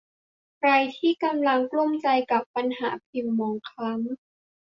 ใครที่กำลังกลุ้มใจกับปัญหาผิวหมองคล้ำ